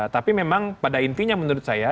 tapi memang pada intinya menurut saya